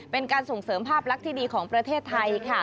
เป็นการส่งเสริมภาพลักษณ์ที่ดีของประเทศไทยค่ะ